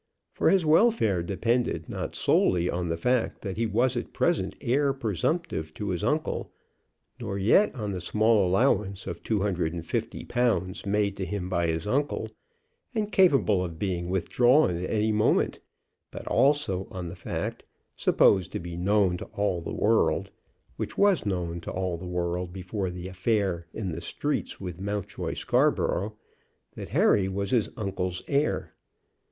For his welfare depended not solely on the fact that he was at present heir presumptive to his uncle, nor yet on the small allowance of two hundred and fifty pounds made to him by his uncle, and capable of being withdrawn at any moment, but also on the fact, supposed to be known to all the world, which was known to all the world before the affair in the streets with Mountjoy Scarborough, that Harry was his uncle's heir.